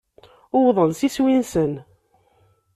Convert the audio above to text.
Uwḍen s iswi-nsen.